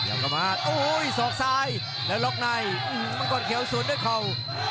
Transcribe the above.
เอามาโอ้โหสอกซ้ายแล้วล็อกในมังกรเขียวสวนด้วยเข่า